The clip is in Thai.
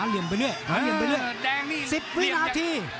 เหลี่ยมไปเรื่อย๑๐วินาที